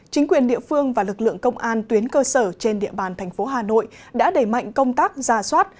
chính quyền địa phương và lực lượng công an tuyến cơ sở trên địa bàn thành phố hà nội đã đẩy mạnh công tác ra soát